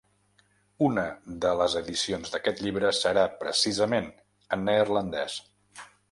Una de les edicions d’aquest llibre serà precisament en neerlandès.